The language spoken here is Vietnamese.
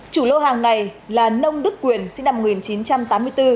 chủ lô hàng này là nông đức quyền sinh năm một nghìn chín trăm tám mươi bốn